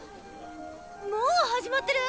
もう始まってる！？